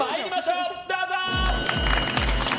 どうぞ。